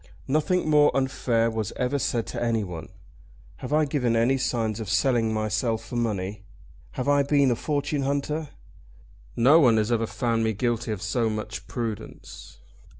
"Nothing more unfair was ever said to anyone. Have I given any signs of selling myself for money? Have I been a fortune hunter? No one has ever found me guilty of so much prudence.